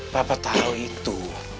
papa tau itu